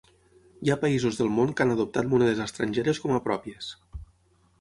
Hi ha països del món que han adoptat monedes estrangeres com a pròpies.